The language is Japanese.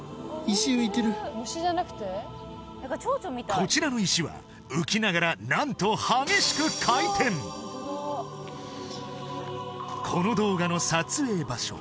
こちらの石は浮きながら何と激しく回転この動画の撮影場所